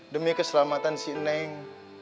demi keselamatan si neng